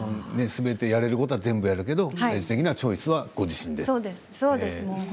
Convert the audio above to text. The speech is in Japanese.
やれることは全部やるけど最終的なチョイスはご自身でと。